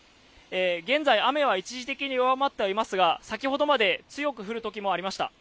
現在、雨は一時的に弱まってはいますが先ほどまで強く降るときもありました。